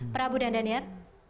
prabu dan danier